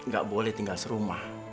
gak boleh tinggal serumah